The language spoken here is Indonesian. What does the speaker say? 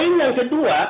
poin yang kedua